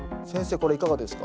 これいかがですか？